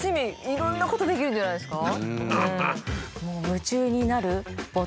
いろんなことできるんじゃないですか？